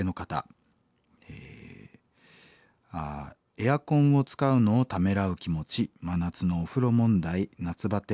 「エアコンを使うのをためらう気持ち真夏のお風呂問題夏バテ